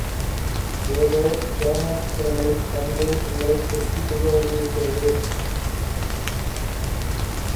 ஏதோ பேனாச்சித்திரங்களைத் தந்தே உங்களைத் திருப்தி செய்ய வேண்டியிருக்கிறது.